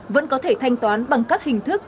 vẫn có thể thanh toán bằng các hình thức